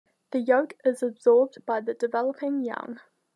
The yolk is absorbed by the developing young.